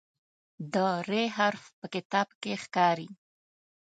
د "ر" حرف په کتاب کې ښکاري.